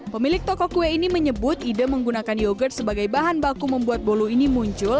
pemilik toko kue ini menyebut ide menggunakan yogurt sebagai bahan baku membuat bolu ini muncul